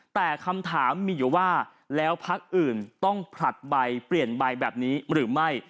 แต่คำถามมีอยู่ว่าแล้วพักอื่นต้องผลัดใบเปลี่ยนใบแบบนี้หรือไม่